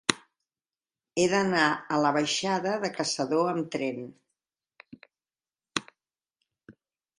He d'anar a la baixada de Caçador amb tren.